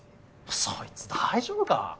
そいつ大丈夫か？